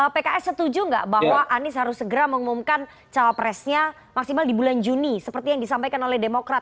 pks setuju nggak bahwa anies harus segera mengumumkan cawapresnya maksimal di bulan juni seperti yang disampaikan oleh demokrat